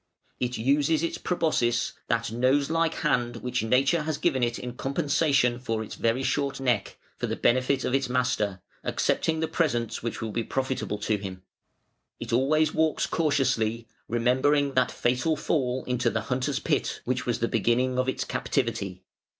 It uses its proboscis, that nose like hand which Nature has given it in compensation for its very short neck, for the benefit of its master, accepting the presents which will be profitable to him. It always walks cautiously, remembering that fatal fall into the hunter's pit which was the beginning of its captivity.